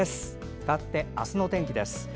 かわって、明日の天気です。